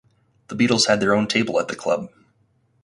The Beatles had their own table at the club.